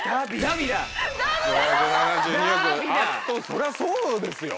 そりゃそうですよ。